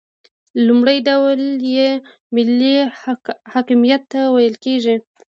لومړی ډول یې ملي حاکمیت ته ویل کیږي.